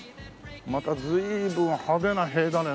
また随分派手な塀だね。